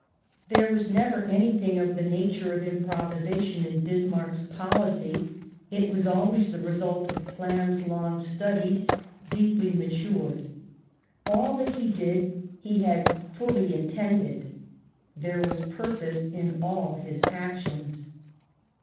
There was never anything of the nature of im provisation in Bismarck's policy ; it was always the result of plans long studied, deeply matured. All that he did he had fully intended ; there was purpose in all his actions.